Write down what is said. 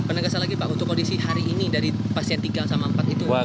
penegasan lagi pak untuk kondisi hari ini dari pasien tiga sama empat itu